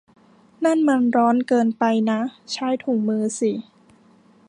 นั่นมันร้อนเกินไปนะ ! ใช้ถุงมือสิ !